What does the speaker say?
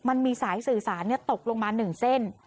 มันมีสายสื่อสารตกลงมา๑เส้น